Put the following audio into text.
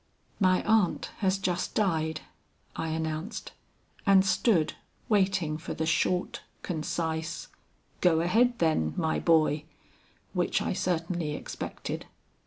"'My aunt has just died,' I announced, and stood waiting for the short, concise, "'Go ahead, then, my boy!' which I certainly expected.